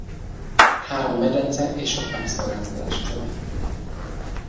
Három medence és sok más szolgáltatás üzemel.